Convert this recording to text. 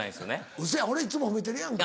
ウソや俺いっつも褒めてるやんか。